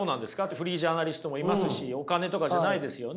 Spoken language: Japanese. フリージャーナリストもいますしお金とかじゃないですよね？